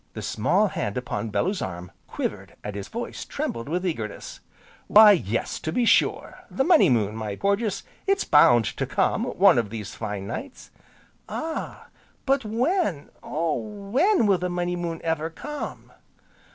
The small hand upon Bellew's arm, quivered, and his voice trembled with eagerness. "Why yes, to be sure, the Money Moon, my Porges, it's bound to come, one of these fine nights." "Ah! but when, oh! when will the Money Moon ever come?"